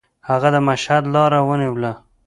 هغه د مشهد لاره ونیوله.